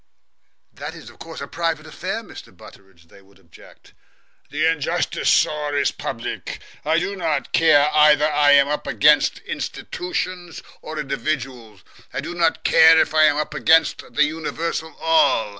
"That's of course a private affair, Mr. Butteridge," they would object. "The injustice, sorr, is public. I do not care either I am up against institutions or individuals. I do not care if I am up against the universal All.